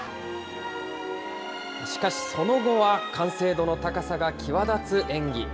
しかし、その後は完成度の高さが際立つ演技。